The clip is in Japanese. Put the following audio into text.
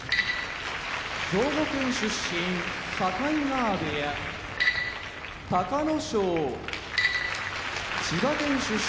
兵庫県出身境川部屋隆の勝千葉県出身